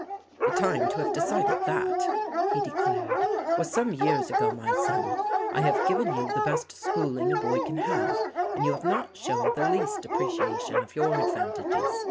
"The time to have decided that," he declared, "was some years ago, my son. I have given you the best schooling a boy can have, and you have not shown the least appreciation of your advantages.